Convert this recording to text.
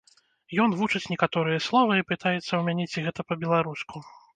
Ён вучыць некаторыя словы і пытаецца ў мяне, ці гэта па-беларуску.